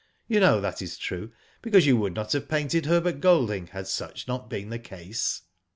You know that is true, because you would not have painted Herbert Golding had such not been the case.'